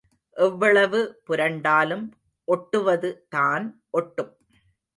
எவ்வளவு புரண்டாலும் ஒட்டுவது தான் ஒட்டும்.